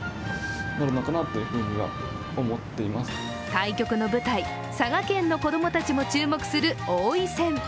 対局の舞台、佐賀県の子供たちも注目する王位戦。